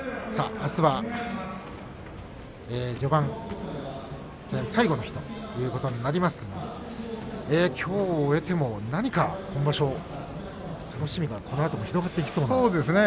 あすは序盤戦最後の日となりますがきょう終えても何か今場所楽しみがこのあと広がっていきそうですね。